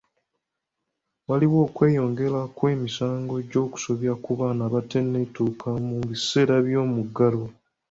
Waliwo okweyongera kw'emisango gy'okusobya ku baana abataneetuuka mu biseera by'omuggalo.